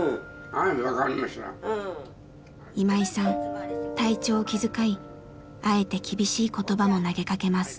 今井さん体調を気遣いあえて厳しい言葉も投げかけます。